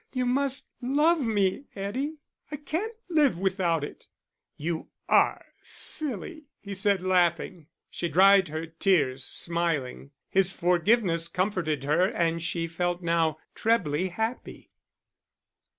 You must love me, Eddie; I can't live without it." "You are silly," he said, laughing. She dried her tears, smiling. His forgiveness comforted her and she felt now trebly happy.